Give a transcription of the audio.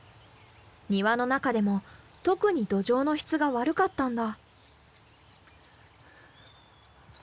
庭の中でも特に土壌の質が悪かったんだ。